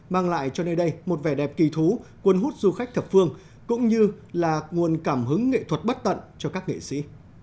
mang lại cho nơi đây một vẻ đẹp kỳ thú quấn hút du khách thập phương cũng như là nguồn cảm hứng nghệ thuật bất tận cho các nghệ sĩ